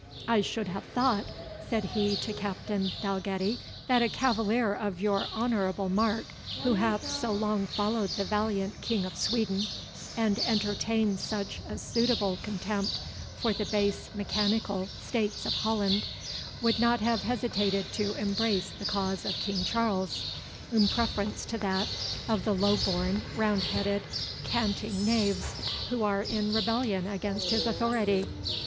"I should have thought," said he to Captain Dalgetty, "that a cavalier of your honourable mark, who hath so long followed the valiant King of Sweden, and entertains such a suitable contempt for the base mechanical States of Holland, would not have hesitated to embrace the cause of King Charles, in preference to that of the low born, roundheaded, canting knaves, who are in rebellion against his authority?"